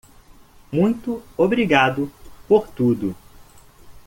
Muito obrigado por tudo.